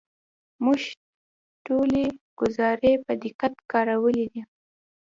موږ ټولې ګزارې په دقت کارولې دي.